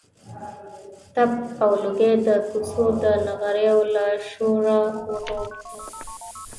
تپ او لوګی د کوڅو د نغریو له شوره ورو ورو.